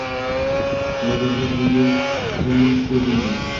Birodarlar! Shunga ham ming shukr denglar